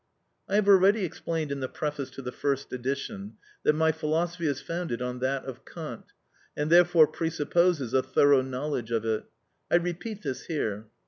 I have already explained in the preface to the first edition, that my philosophy is founded on that of Kant, and therefore presupposes a thorough knowledge of it. I repeat this here.